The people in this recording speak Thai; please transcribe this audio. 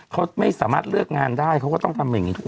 เขาไม่สามารถเลือกงานได้เขาก็ต้องทำอย่างนี้ถูก